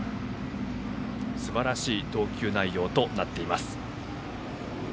すばらしい投球内容となっています。